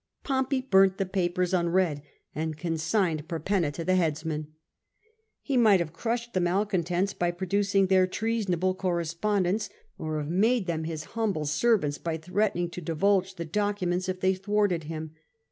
Pompey burnt the papers unread and consigned Perpenna to the headsman. He might have crushed the malcontents by producing their treasonable correspondence, or have made them his humble servants by threatening to divulge the documents if they thwarted him.